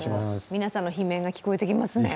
皆さんの悲鳴が聞こえてきますね。